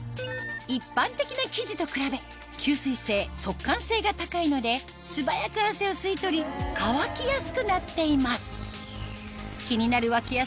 一般的な生地と比べ吸水性速乾性が高いので素早く汗を吸い取り乾きやすくなっています